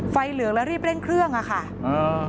เหลืองแล้วรีบเร่งเครื่องอ่ะค่ะอ่า